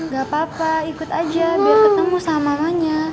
gapapa ikut aja biar ketemu sama mamanya